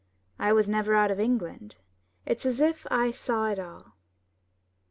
I was never out of England — it's as if I saw it all.